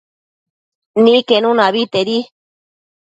Niquenuna abetedi